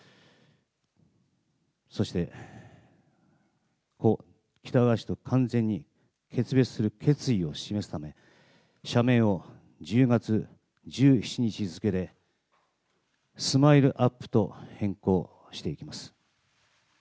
そして、故・喜多川氏と完全に決別する決意を示すため、社名を１０月１７日付でスマイルアップと変更していきます。